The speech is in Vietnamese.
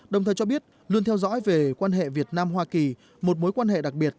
đồng thời cho biết luôn theo dõi về quan hệ việt nam hoa kỳ một mối quan hệ đặc biệt